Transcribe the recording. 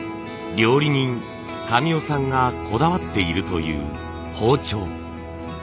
料理人神尾さんがこだわっているという包丁。